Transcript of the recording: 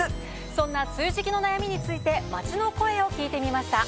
そんな梅雨時期の悩みについて街の声を聞いてみました。